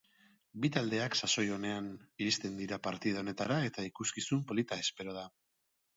Bi taldeak sasoi onean iristen dira partida honetara eta ikuskizun polita espero da.